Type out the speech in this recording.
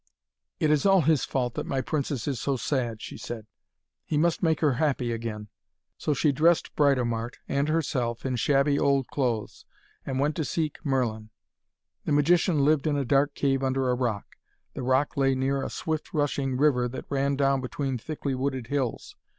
'It is all his fault that my princess is so sad,' she said; 'he must make her happy again.' So she dressed Britomart and herself in shabby old clothes, and went to seek Merlin. The magician lived in a dark cave under a rock. The rock lay near a swift rushing river that ran down between thickly wooded hills.